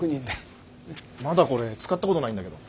まだこれ使ったことないんだけど。